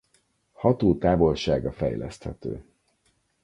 A hatótávolsága fejleszthető.